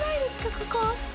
ここ。